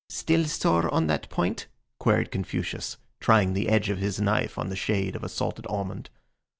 "Still sore on that point?" queried Confucius, trying the edge of his knife on the shade of a salted almond.